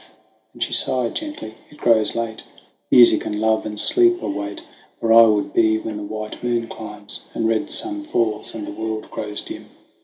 74 THE WANDERINGS OF 01 SIN Then she sighed gently, "It grows late, Music and love and sleep await, Where I would be when the white moon climbs, The red sun falls, and the world grows dim."